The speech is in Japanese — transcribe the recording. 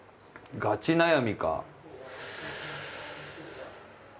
ガチ悩み。